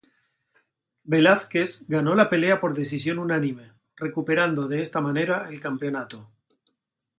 Velásquez ganó la pelea por decisión unánime, recuperando de esta manera el campeonato.